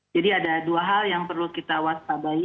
jadi ada dua hal yang perlu kita waspabai